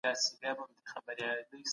داستاني ادبیات به تل ژوندي پاتې وي.